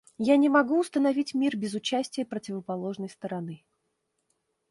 Я не могу установить мир без участия противоположной стороны.